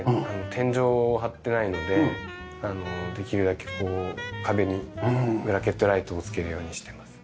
天井を張ってないのでできるだけ壁にブラケットライトを付けるようにしてます。